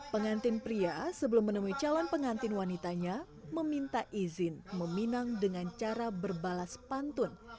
pengantin pria sebelum menemui calon pengantin wanitanya meminta izin meminang dengan cara berbalas pantun